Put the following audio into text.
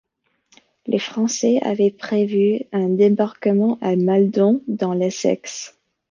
Les Français avaient prévu un débarquement à Maldon, dans l'Essex.